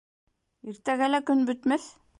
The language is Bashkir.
Иртәгә лә көн бөтмәҫ.